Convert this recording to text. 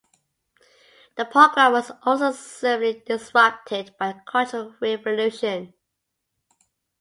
The program was also severely disrupted by the Cultural Revolution.